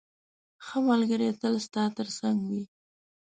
ښه ملګری تل ستا تر څنګ وي.